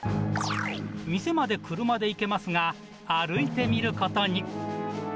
店まで車で行けますが、歩いてみることに。